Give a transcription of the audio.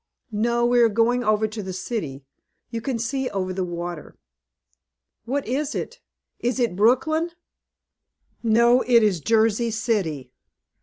"No, we are going over to the city, you can see over the water." "What is it? Is it Brooklyn?" "No, it is Jersey City."